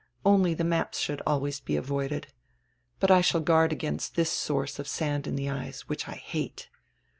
Only the maps should always be avoided. But I shall guard against this source of sand in the eyes, which I hate."